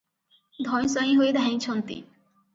ଧଇଁ ସଇଁ ହୋଇ ଧାଇଁଛନ୍ତି ।